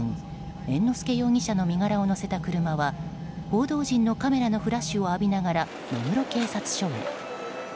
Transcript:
猿之助容疑者の身柄を乗せた車は報道陣のカメラのフラッシュを浴びながら目黒警察署へ。